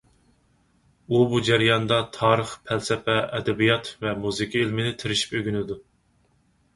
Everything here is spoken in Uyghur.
ئۇ بۇ جەرياندا تارىخ، پەلسەپە، ئەدەبىيات ۋە مۇزىكا ئىلمىنى تىرىشىپ ئۆگىنىدۇ.